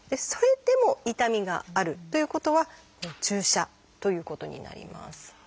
それでも痛みがあるという方は注射ということになります。